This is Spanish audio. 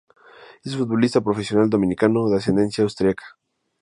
Es un futbolista profesional dominicano de ascendencia Austriaca.